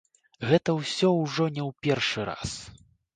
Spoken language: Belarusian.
Гэта ўсё ўжо не ў першы раз.